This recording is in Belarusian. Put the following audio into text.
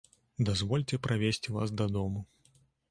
Дазвольце правесці вас дадому.